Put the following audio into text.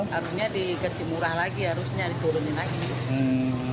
harusnya dikasih murah lagi harusnya diturunin lagi